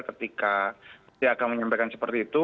menteri agama menyampaikan seperti itu